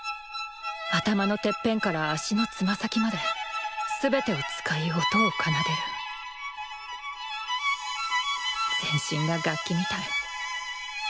頭のてっぺんから足のつま先まですべてを使い音を奏でる全身が楽器みたい。